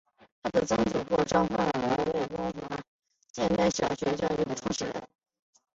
她的曾祖父张焕纶为中国近代小学教育的创始人。